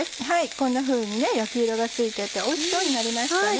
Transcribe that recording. こんなふうに焼き色がついてておいしそうになりましたね。